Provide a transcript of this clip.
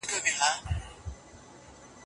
زه هڅه کوم چي له بدو کارونو ځان وساتم.